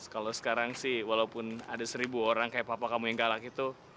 kalau sekarang sih walaupun ada seribu orang kayak papa kamu yang galak itu